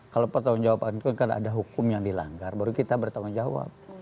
kalau pertanggung jawaban kan ada hukum yang dilanggar baru kita bertanggung jawab